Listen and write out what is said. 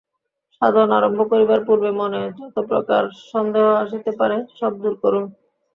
সাধন আরম্ভ করিবার পূর্বে মনে যত প্রকার সন্দেহ আসিতে পারে, সব দূর করুন।